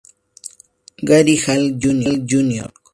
Gary Hall, Jr.